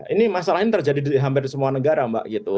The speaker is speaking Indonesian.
ini masalah ini terjadi di hampir semua negara mbak gitu